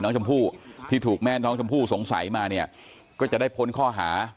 น้องชมพู่ที่ถูกแม่น้องชมพู่สงสัยมาเนี่ยก็จะได้พ้นข้อหา